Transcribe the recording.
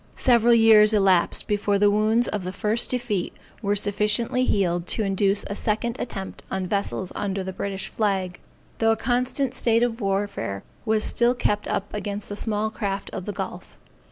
Several years elapsed before the wounds of the first defeat were sufficiently healed to induce a second attempt on vessels under the British flag, though a constant state of warfare was still kept up against the small craft of the gulf.